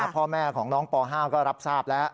พ่อแม่ของน้องป๕ก็รับทราบแล้ว